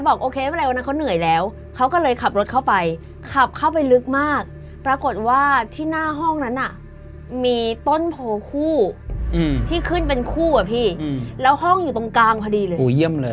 โอเคอะไรวันนั้นเขาเหนื่อยแล้วเขาก็เลยขับรถเข้าไปขับเข้าไปลึกมากปรากฏว่าที่หน้าห้องนั้นน่ะมีต้นโพคู่ที่ขึ้นเป็นคู่อะพี่แล้วห้องอยู่ตรงกลางพอดีเลย